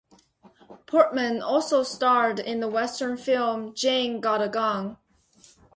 Portman also starred in the Western film "Jane Got a Gun".